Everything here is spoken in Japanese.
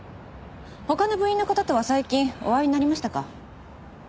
他の部員の方とは最近お会いになりましたか？